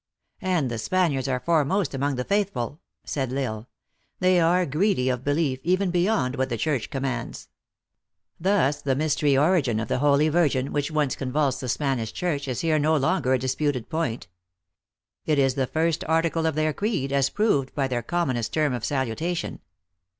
u And the Spaniards are foremost among the faith ful," said L Isle. " They are greedy of belief, even beyond what the church commands. Thus the mys terious origin of the Holy Virgin, which once con vulsed the Spanish church, is here no longer a dis puted point. It is the first article of their creed, as proved by their commonest term of salutation.